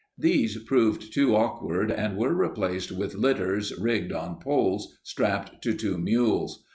These proved too awkward and were replaced with litters rigged on poles strapped to two mules.